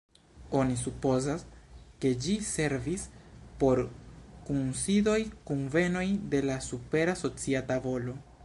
Oni supozas, ke ĝi servis por kunsidoj, kunvenoj de la supera socia tavolo.